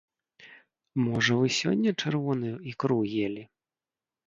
Можа вы сёння чырвоную ікру елі?